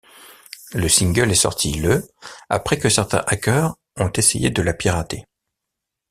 Le single est sorti le après que certains hackers ont essayé de la pirater.